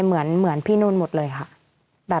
เหมือนพี่นุ่นหมดเลยค่ะ